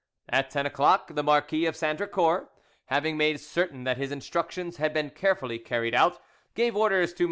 At ten o'clock, the Marquis of Sandricourt, having made certain that his instructions had been carefully carried out, gave orders to MM.